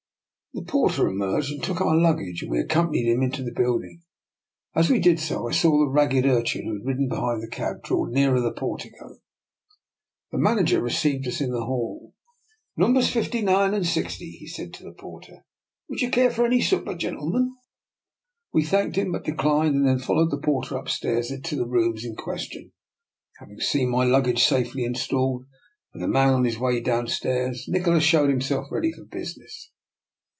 The porter emerged and took our lug gage, and we accompanied him into the build ing. As we did so I saw the ragged urchin who had ridden behind the cab draw nearer the portico. The manager received us in the hall. " Numbers 59 and 60," he said to the por ter. " Would you care for any supper, gen tlemen? " We thanked him, but declined, and then followed the porter upstairs to the rooms in question. Having seen my luggage safely in stalled and the man on his way downstairs, Nikola showed himself ready for business.